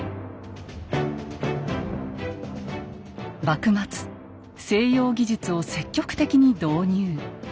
幕末西洋技術を積極的に導入。